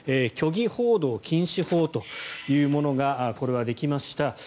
虚偽報道禁止法というものがこれはできました。